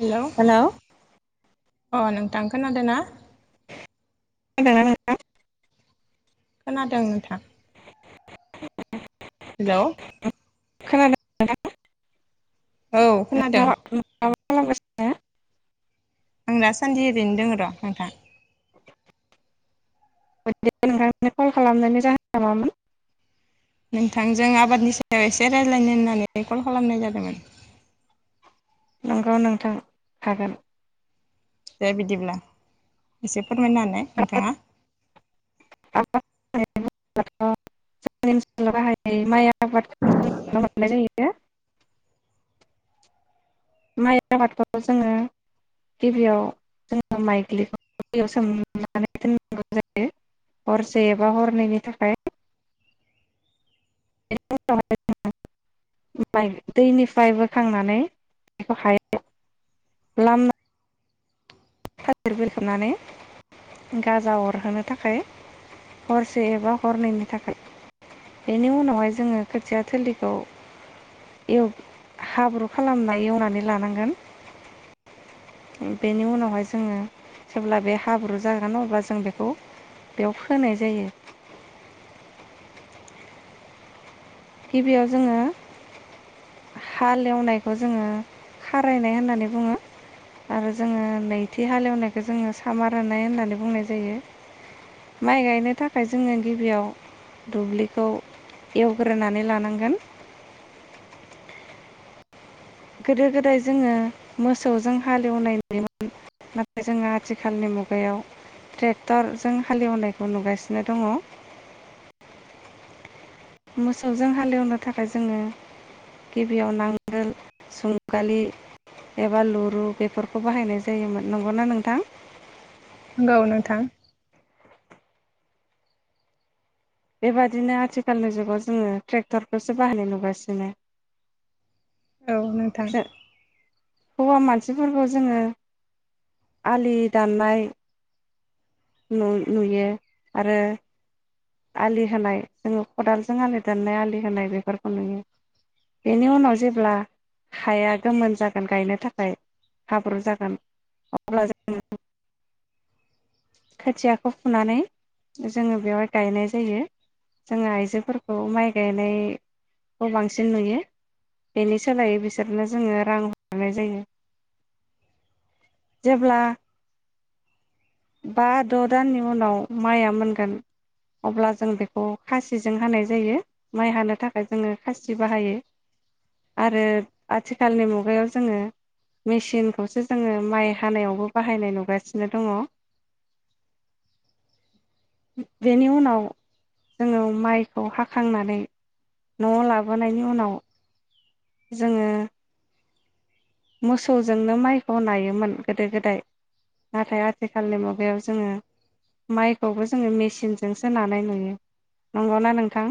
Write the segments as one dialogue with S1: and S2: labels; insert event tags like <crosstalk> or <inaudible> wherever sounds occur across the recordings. S1: Hello
S2: हेल'
S1: अ नोंथां खोनादों ना
S2: खोनादोंना नोंथां
S1: खोनादों नोंथां हेल'
S2: खोनादों नोंथां
S1: औ खोनादों
S2: नोंथाङा माबा खालामगासिनो
S1: आं दासान्दि ओरैनो दङ र' नोंथां
S2: नोंथां कल खालामनाय जाहोना मामोन
S1: नोंथांजों आबादनि सायाव एसे रायज्लायनो होननानै कल खालामनाय जादोंमोन
S2: नंगौ नोंथां हागोन
S1: दे बिदिब्ला एसे फोरमायना होनाय नोंथाङा
S2: <unintelligible> बाहायनाय माइया आबादखोनो मोननाय जायो माइ आबादखौ जोङो गिबियाव जोङो माइ ग्लिखौ दैयाव सोमनानै दोननांगौ जायो हरसे एबा हरनैनि थाखाय बेखौ उनावहाय <unintelligible> माइ दैनिफ्राय बोखांनानै बेखौहाय लामना थालिर बिलायदो खोबनानै गाजा अरहोनो थाखाय हरसे एबा हरनैनि थाखाय बेनि उनावहाय जोङो खोथिया थोलिखौ हाब्रु खालामना एवनानै लानांगोन बेनि उनावहाय जोङो जेब्ला बे हाब्रु जागोन अब्ला जों बेखौ बेयाव फोनाय जायो गिबियाव जोङो हालेवनायखौ जोङो खारायनाय होननानै बुङो आरो जोङो नैथि हालेवनायखौ जोङो सामार होननाय होननानै बुंनाय जायो माइ गायनो थाखाय जोङो गिबियाव दुब्लिखौ एवग्रो ग्रोनानै लानांगोन गोदो गोदाय जोङो मोसौजों हालेवनाय नुयोमोन नाथाय जोङो आथिखालनि मुगायाव ट्रेक्टरजों हालेवनायखौ नुगासिनो दङ मोसौजों हालेवनो थाखाय जोङो गिबियाव नांगोल जुंगालि एबा लुरु बेफोरखौ बाहायनाय जायोमोन नंगौ ना नोंथां
S1: नंगौ नोंथां
S2: बेबादिनो आथिखालनि जुगाव जोङो ट्रेक्टरखौसो बाहायनाय नुगासिनो
S1: औ नोंथां
S2: जों हौवा मानसिफोरखौ जोङो आलि दाननाय नु नुयो आरो आलि होनाय जोङो खदालजों आलि दाननाय आलि होनाय बेफोरखौ नुयो बेनि उनाव जेब्ला हाया गोमोन जागोन गायनो थाखाय हाब्रु जागोन अब्ला जो खोथियाखौ फुनानै जोङो बेवहाय गायनाय जायो जोङो आइजोफोरखौ माइ गायनायखौ बांसिन नुयो बेनि सोलायै बिसोरनो जोङो रां हरनाय जायो जेब्ला बा द' दाननि उनाव माइआ मोनगोन अब्ला जों बेखौ खासिजों हानाय जायो माइ हानो थाखाय जोङो खासि बाहायो आरो आथिखालनि मुगायाव जोङो मेसिनखौसो जोङो माइ हानायावबो बाहायनाय नुगासिनो दङ बेनि उनाव जोङो माइखौ हाखांनानै न'आव लाबोनायनि उनाव जोङो मोसौजोंनो माइखौ नायोमोन गोदो गोदाय नाथाय आथिखालनि मुगायाव जोङो माइखौबो जोङो मेचिनजोंसो नानाय नुयो नंगौना नोंथां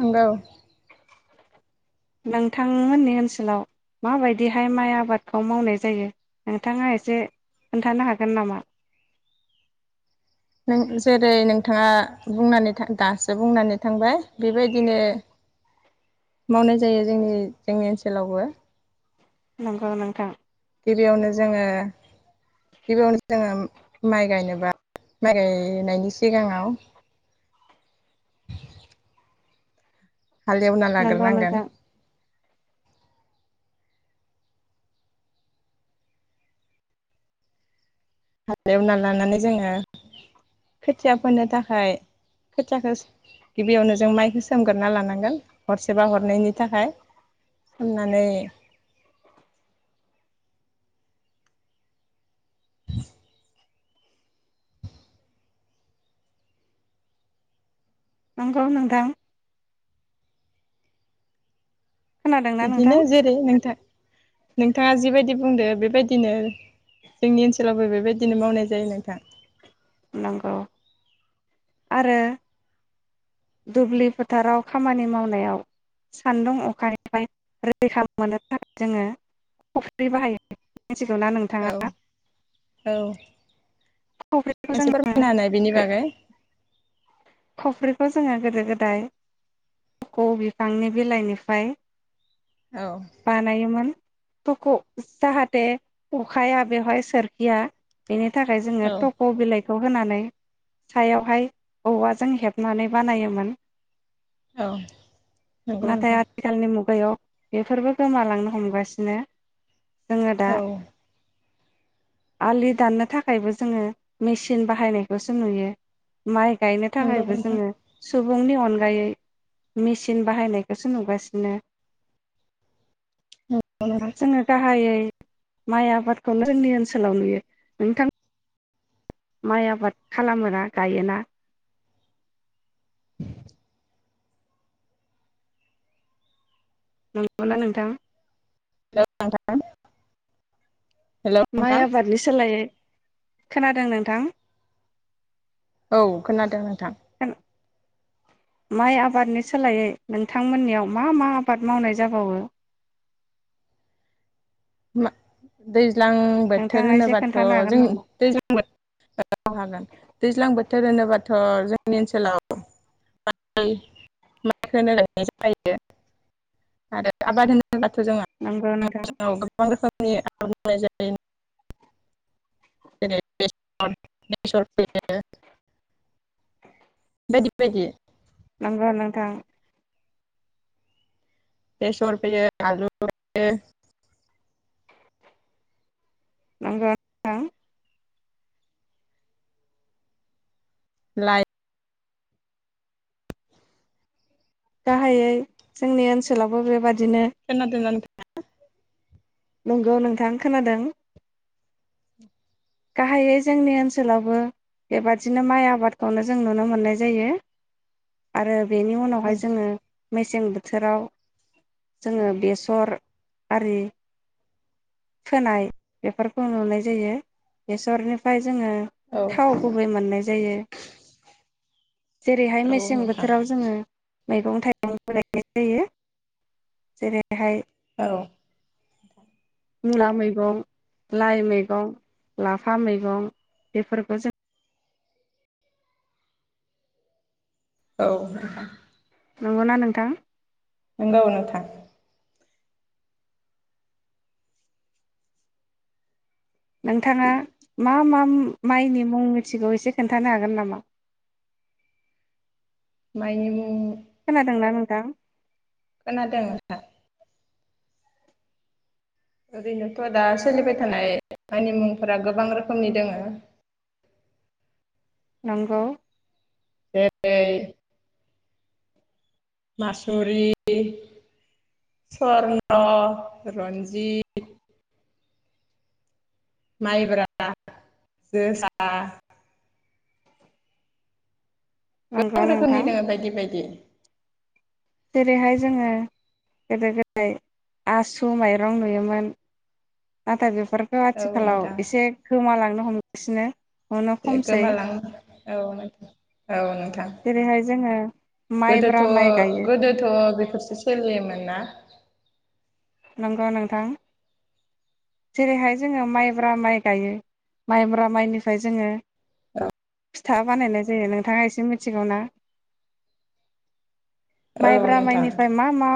S1: नंगौ
S2: नोंथांमोननि ओनसोलाव माबायदिहाय माइ आबादखौ मावनाय जायो नोंथाङा एसे खोन्थानो हागोन नामा
S1: नों जेरै नोंथाङा बुंनानै थां दासो बुंनानै थांबाय बेबायदिनो मावनाय जायो जोंनि जोंनि ओनसोलावबो
S2: नंगौ नोंथां
S1: गिबियावनो जोङो गिबियावनो जोङो माइ गायनोबा माइ गायनायनि सिगाङाव हालेवना
S2: नंगौ
S1: लाग्रोनांगोन
S2: नोंथां
S1: हाल एवना लानानै जोङो खोथिया फोनो थाखाय खोथियाखौ गिबियावनो जों माइखौ सोमगोरना लानांगोन हरसेबा हरनायनि थाखाय सोमनानै <inaudible>
S2: नंगौ नोंथां खोनादोंना
S1: बिदिनो
S2: नोंथां
S1: जेरै नोंथां नोंथाङा जिबायदि बुंदो बेबायदिनो जोंनि ओनसोलावबो बेबायदिनो मावनाय जायो नोंथां
S2: नंगौ आरो दुब्लि फोथाराव खामानि मावनायाव सान्दुं अखानिफ्राय रैखा मोननो थाखाय जोङो खख्रि बाहायोमोन
S1: औ औ
S2: खफ्रिखौ
S1: एसे
S2: जों
S1: फोरमायना होनाय बेनि बागै
S2: बेफोरखौ जोङो गोदो गोदाय थख' बिफांनि बिलाइनिफ्राय
S1: औ
S2: बानायोमोन थख'खौ जाहाथे अखाया बेवहाय सोरखिया बेनि थाखाय जोङो
S1: औ
S2: थक' बिलाइखौ खौ होनानै सायावहाय औवाजों हेबनानै बानायोमोन
S1: औ नंगौ
S2: नाथाय
S1: नोंथां
S2: आथिखालनि बेफोरबो गोमालांनो हमगासिनो जोङो दा
S1: औ
S2: आलि दाननो थाखायबो जोङो मेचिन बाहायनायखौसो नुयो माइ गायनो
S1: नंगौ
S2: थाखायबो
S1: नोंथां
S2: जोङो सुबुंनि अनगायै मेसिन बाहायनायखौसो नुगासिनो
S1: नंगौ नोंथां
S2: जोङो गाहायै माइ आबादखौनो जोंनि ओनसोलाव नुयो नोंथां माइ आबाद खालामोना गायोना <inaudible> नंगौना नोंथां
S1: हेल' नोंथां हेल'
S2: माइ
S1: नोंथां
S2: आबादनि सोलायै खोनादों नोंथां
S1: औ खोनादों नोंथां
S2: माइ आबादनि सोलायै नोंथांमोननियाव मा मा आबाद मावनाय जाबावो
S1: <unintelligible> दैज्लां बोथोर
S2: नोंथाङा एसे
S1: होनोबाथ'
S2: खोन्थानो हागोन
S1: जों
S2: नामा
S1: दैज्लां बोथोर हागोन दैज्लां बोथोर होनोबाथ' जोंनि ओनसोलाव <unintelligible>
S2: नंगौ नोंथां
S1: <unintelligible> <unintelligible>
S2: नंगौ नोंथां
S1: बेसर फोयो आलु फोयो
S2: नंगौना
S1: लाइ
S2: गाहायै जोंनि ओनसोलावबो बेबायदि
S1: खोनादोंना नोंथां
S2: नंगौ नोंथां खोनादों गाहायै जोंनि ओनसोलावबो बेबादिनो माइ आबादखौनो जों नुनो मोननाय जायो आरो बेनि उनावहाय जोङो मेसें बोथोराव जोङो बेसर आरि फोनाय बेफोरखौ नुनाय जायो बेसरनिफ्राय जोङो
S1: औ
S2: थाव गुबै मोननाय जायो जेरैहाय मेसें
S1: औ नोंथां
S2: बोथोराव जोङो मैगं थाइगंबो गायनाय जायो जेरैहाय
S1: अ
S2: मुला मैगं लाइ मैगं लाफा मैगं बेफोरबो जों
S1: औ नोंथां।
S2: नंगौ ना नोंथां।
S1: नोंगौ नोंथां।
S2: नोंथाङा मा मा उम माइनि मुं मिथिगौ एसे खोन्थानो हागोन नामा?
S1: मायनि मुं
S2: थां
S1: खोनादों नोंथां। ओरैनोथ दा सोलिबाय थानाय माइनि मुंफोरा गोबां रोखोमनि दोङो।
S2: नंगौ।
S1: <unintelligible> मासुरि स्वरन रन्जित। माइब्रा जोसा गोबां
S2: नंगौ
S1: रोखोमनि
S2: नोंथां
S1: दोङो बायदि बायदि।
S2: जेरैहाय जोङो गोदो गोदाय आसु माइरं नुयोमोन। नाथाय बे फोरबो
S1: औ
S2: आथिखालाव
S1: नोंथां
S2: एसे गोमालांनो हम सिनो
S1: गोमालांनो औ नोंथां औ नोंथां
S2: जेरैहाय जोङो
S1: गोदोथ
S2: माइब्रा माइ गायो
S1: गोदोथ बे फोरसो सोलियोमोन ना।
S2: नंगौ नोंथां। जेरैहाय जोङो माइब्रा माइ गायो माइब्रा माइनिफ्राय जोङो
S1: औ
S2: फिथा बानायनाय जायो नोंथाङा एसे मिथिगौ ना?
S1: औ
S2: माइब्रा
S1: नोंथां
S2: माइनिफ्राय मा मा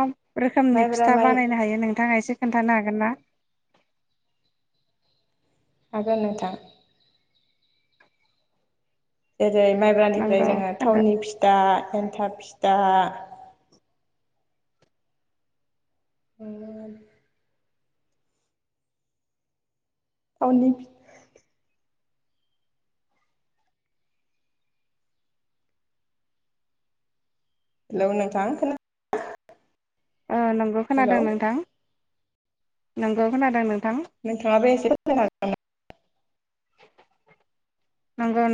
S2: रोखोमनि
S1: माइब्रा
S2: फिथा
S1: माइ
S2: बानायनो हायो। एसे खोनथानो हागोन ना?
S1: हागोन नोंथां। जेरै माइब्रानिफ्राय
S2: नंगौ
S1: जोङो
S2: खोन्था
S1: थावनि फिथा एन्थाब फि दा ओं <unintelligible> आवनि लोव‌ नोंथां खोनादों ना?
S2: ओ नंगौ खोनादों नोंथां। नंगौ खोनादों नोंथां।
S1: नोंथाङाबो एसे <unintelligible>
S2: नंगौ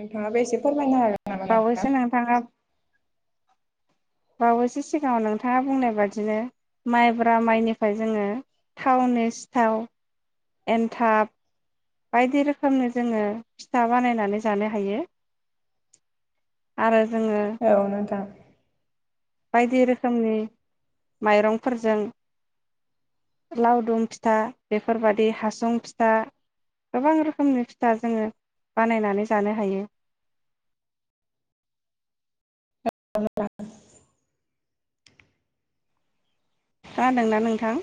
S1: नोंथाङाबो एसे फोरमायनो हागोन नामा नोंथां
S2: बावैसो नोंथाङा बावैसो सिगाङाव नोंथाङा बुंनाय बादिनो माइब्रा माइनिफ्राय जोङो थावनि सिथाव एनथाब बायदि रोखोमनि जोङो फिथा बानायनानै जानो हायो आरो जोङो
S1: औ नोंथां
S2: बायदि रोखोमनि माइरंफोरजों लावदुम फिथा बेफोरबादि हासुं फिथा गोबां रोखोमनि फिथा जोङो बानायनानै जानो हायो
S1: औ औ
S2: खोनादोंना नोंथां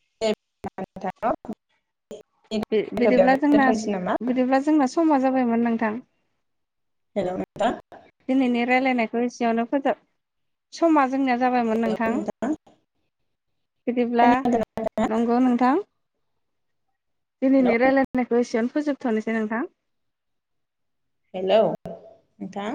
S1: <unintelligible>
S2: बि बिदिब्ला
S1: बेयावनो
S2: जोंना
S1: दोनथ'नोसै नामा
S2: बिदिब्ला जोंना समा जा बायमोन नोंथां
S1: हेल' नोंथां
S2: दिनैनि रालायनाय <unintelligible> जोंनिया जाबायमोन नोंथां बिदिब्ला
S1: खोनादों
S2: नंगौ नोंथां
S1: हेल'
S2: दिनैनि रायलायनायखौ एसेबयावनो फोजोबथ'नोसै नोंथां
S1: औ नोंथा